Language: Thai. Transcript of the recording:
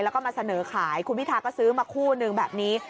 แล้วก็มาเสนอขายคุณพิทาก็ซื้อมาคู่นึงแบบนี้